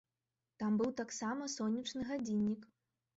Там быў таксама сонечны гадзіннік.